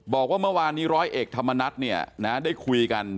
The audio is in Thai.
บอกว่าเมื่อวานนี้ร้อยเอกธรรมนัฐได้คุยกัน